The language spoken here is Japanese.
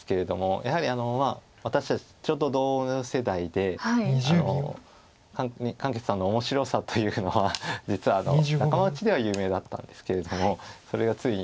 やはり私たちちょうど同世代で漢傑さんの面白さというのは実は仲間内では有名だったんですけれどもそれがついに。